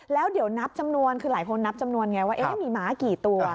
แล้วเดี๋ยวนับจำนวนคือหลายคนนับจำนวนไงว่ามีม้ากี่ตัว